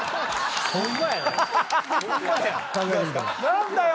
何だよ